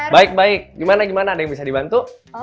baik baik gimana gimana ada yang bisa dibantu